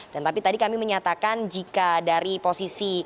dan tadi kami menyatakan jika dari posisi